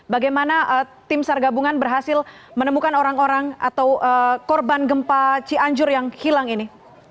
bagaimana tim sargabungan berhasil menemukan orang orang atau korban gempa cianjur yang hilang ini